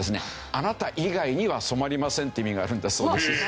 「あなた以外には染まりません」って意味があるんだそうです。